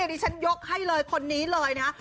ดิฉันยกให้เลยคนนี้เลยนะ